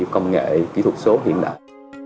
công nghệ kỹ thuật số hiện đại